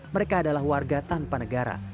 mereka adalah warga tanpa negara